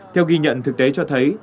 theo ghi nhận thực tế cho thấy